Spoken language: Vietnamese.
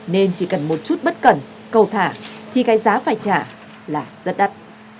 nên chỉ cần một chút bất cẩn cầu thả thì cái giá phải trả là rất đắt